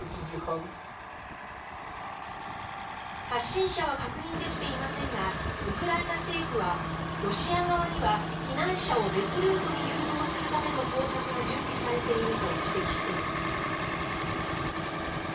発信者は確認できていませんがウクライナ政府は、ロシア側には避難者を別ルートに誘導するための工作が準備されていると指摘しています。